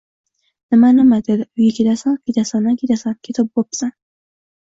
— Nima-nima?! — dedi. — Uyga ketasan? Ketasan-a, ketasan, ketib bo‘psan!